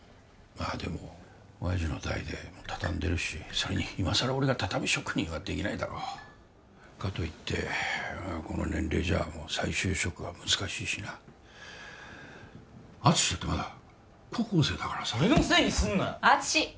まあでも親父の代で畳んでるしそれに今さら俺が畳職人はできないだろかといってこの年齢じゃもう再就職は難しいしな敦だってまだ高校生だからさ俺のせいにすんなよ